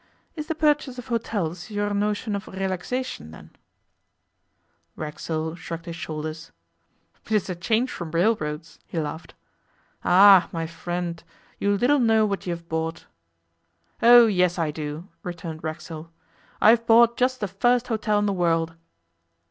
'Is the purchase of hotels your notion of relaxation, then?' Racksole shrugged his shoulders. 'It is a change from railroads,' he laughed. 'Ah, my friend, you little know what you have bought.' 'Oh! yes I do,' returned Racksole; 'I have bought just the first hotel in the world.